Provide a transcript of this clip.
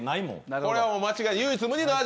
これは間違いない唯一無二の味。